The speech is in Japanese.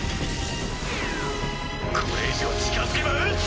これ以上近づけば撃つ！